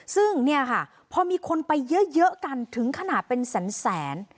ซึ่งพอมีคนไปเยอะกันถึงขนาดเป็นแสน